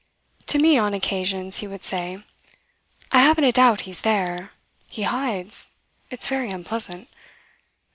To me, on occasions he would say: "I haven't a doubt he's there. He hides. It's very unpleasant."